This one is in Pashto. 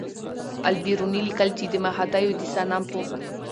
البېروني لیکي چې د مهادیو د صنم په